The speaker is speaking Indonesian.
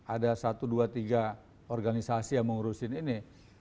ada satu dua tiga organisasi yang mengurusin ini